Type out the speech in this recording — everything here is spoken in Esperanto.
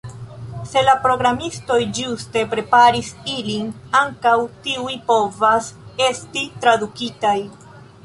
Se la programistoj ĝuste preparis ilin, ankaŭ tiuj povas esti tradukitaj.